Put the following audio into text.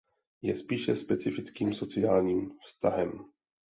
Je spíše specifickým sociálním vztahem.